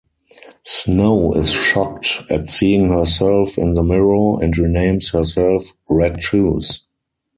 Snow is shocked at seeing herself in the mirror and renames herself "Red Shoes".